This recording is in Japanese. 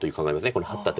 このハッた手で。